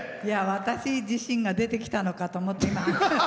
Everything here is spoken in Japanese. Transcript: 私自身が出てきたのかと思った。